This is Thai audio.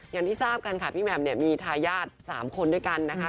อย่างที่ทราบกันค่ะพี่แหม่มเนี่ยมีทายาท๓คนด้วยกันนะคะ